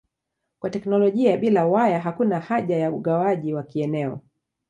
Kwa teknolojia bila waya hakuna haja ya ugawaji wa kieneo.